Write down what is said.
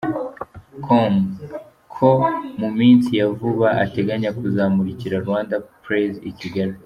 com ko mu minsi ya vuba ateganya kuzamurikira Rwandan Praise i Kigali.